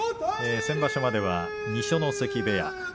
先場所までは二所ノ関部屋。